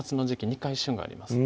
２回旬があります